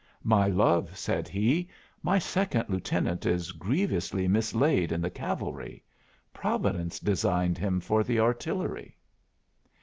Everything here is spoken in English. "My love," said he, "my Second Lieutenant is grievously mislaid in the cavalry. Providence designed him for the artillery."